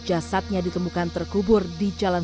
jasadnya ditemukan terkubur di jalan